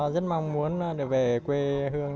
rất mong muốn để về quê hương